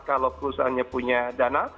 keusahanya punya dana